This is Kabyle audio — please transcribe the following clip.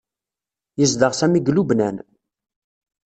Yezdeɣ Sami deg Lubnan.